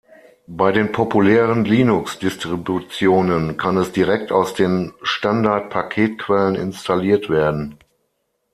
Bei den populären Linux-Distributionen kann es direkt aus den Standard-Paketquellen installiert werden.